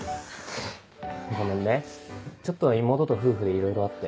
ごめんねちょっと妹と夫婦でいろいろあって。